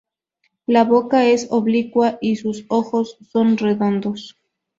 La boca es oblicua y sus ojos son redondos.